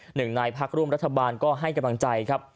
หนึ่งในพักร่วมรัฐบาลก็ให้กำลังใจครับ